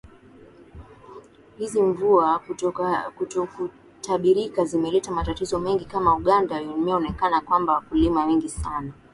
hizi mvua kutokutabirika zimeleta matatizo mengi kama uganda imeonekana kwamba wakulima wengi sana